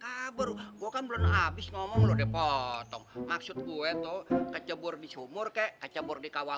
kabel gua kan belum habis ngomong lo depot maksud gue tuh kecebur di sumur kek kecebur di kawah